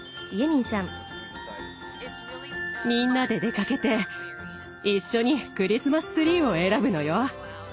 みんなで出かけて一緒にクリスマスツリーを選ぶのよ。